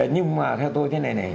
nhưng mà theo tôi thế này này